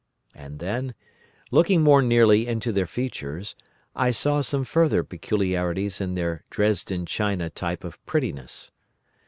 "And then, looking more nearly into their features, I saw some further peculiarities in their Dresden china type of prettiness.